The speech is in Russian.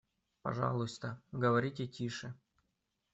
Пожалуйста, говорите тише.